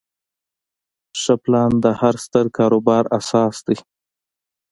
ښه پلان د هر ستر کاروبار اساس دی.